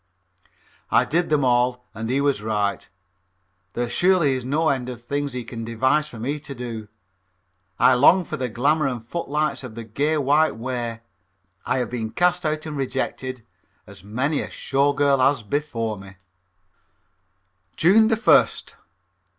I did them all and he was right. There surely is no end to the things he can devise for me to do. I long for the glamour and footlights of the gay white way, but I have been cast out and rejected as many a Show Girl has been before me. _June 1st.